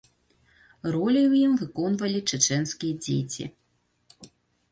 Ролі ў ім выконвалі чэчэнскія дзеці.